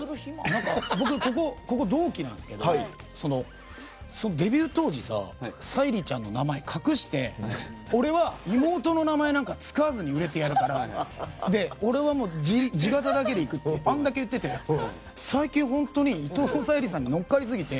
僕、ここ同期なんですけどデビュー当時、沙莉ちゃんの名前隠して俺は妹の名前なんか使わずに売れてやるから俺はもう自力だけでいくってあんだけ言っていて最近、本当に伊藤沙莉さんに乗っかりすぎて。